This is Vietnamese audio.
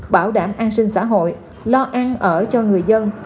bảo đảm an sinh xã hội lo ăn ở cho người dân